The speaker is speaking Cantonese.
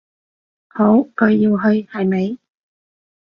好，佢要去，係咪？